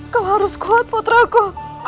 kau harus kuat putraku